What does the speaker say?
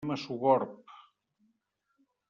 Anem a Sogorb.